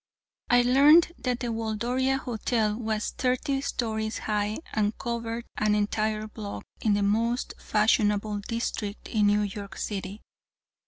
I learned that the Waldoria Hotel was thirty stories high, and covered an entire block in the most fashionable district in New York City.